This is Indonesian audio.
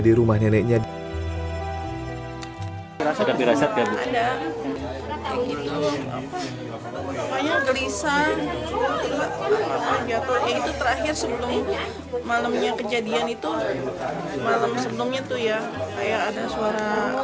di rumah neneknya rasad rasad nba ada tuh ngomong palisa meyou jatuh itu terakhir sebelum malamnya kejadian itu jangan sampai besar